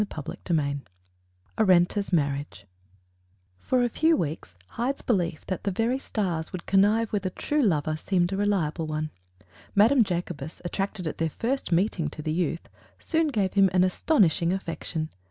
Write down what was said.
'" CHAPTER VII ARENTA'S MARRIAGE For a few weeks, Hyde's belief that the very stars would connive with a true lover seemed a reliable one. Madame Jacobus, attracted at their first meeting to the youth, soon gave him an astonishing affection.